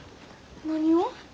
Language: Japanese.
何を？